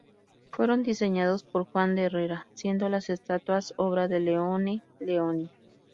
Fueron diseñados por Juan de Herrera, siendo las estatuas obra de Leone Leoni.